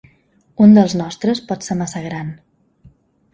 Un dels nostres, pot ser massa gran.